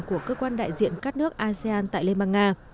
của cơ quan đại diện các nước asean tại liên bang nga